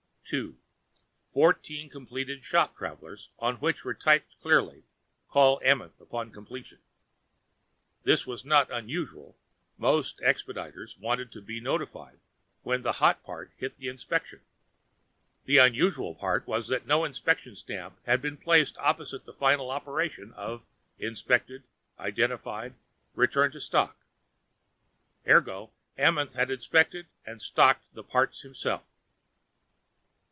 Two: Fourteen completed shop travelers on which were typed clearly, Call Amenth upon completion. That was not unusual; most expediters wanted to be notified when a hot part hit Inspection. The unusual part was that no inspection stamp had been placed opposite the final operation of Inspect, Identify, Return to Stock. Ergo, Amenth had inspected and stocked the parts himself.